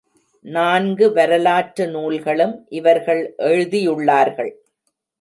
நான்கு வரலாற்று நூல்களும் இவர்கள் எழுதியுள்ளார்கள்.